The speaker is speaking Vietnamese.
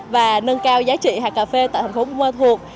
và nâng cao giá trị hạt cà phê tại thành phố buôn ma thuột